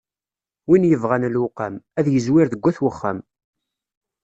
Win yebɣam luqam, ad yezwir deg wat uxxam.